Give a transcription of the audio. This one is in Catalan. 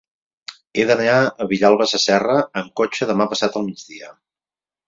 He d'anar a Vilalba Sasserra amb cotxe demà passat al migdia.